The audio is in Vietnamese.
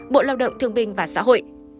bộ lao động thương minh và xã hội